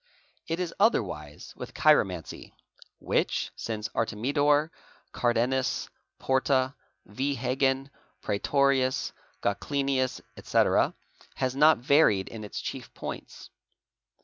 : It is otherwise with chiromancy '"'—™) which, since Artemidor, Carda nus, Porta, v. Hagen, Pritorius, Gocklenius, etc., has not varied in its chief points.